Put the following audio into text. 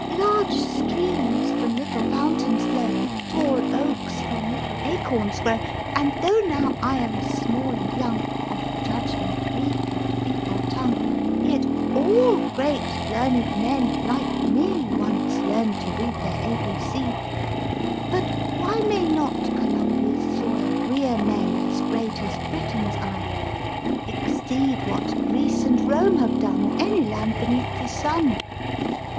Large streams from little fountains flow, Tall oaks from little acorns grow; And though now I am small and young, Of judgment weak and feeble tongue, Yet all great, learned men, like me Once learned to read their ABC. But why may not Columbia's soil Rear men as great as Britain's Isle, Exceed what Greece and Rome have done Or any land beneath the sun?